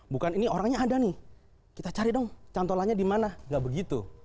bukan ini orangnya ada nih kita cari dong cantolanya di mana nggak begitu